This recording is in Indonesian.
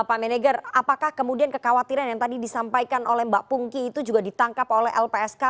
pak menegar apakah kemudian kekhawatiran yang tadi disampaikan oleh mbak pungki itu juga ditangkap oleh lpsk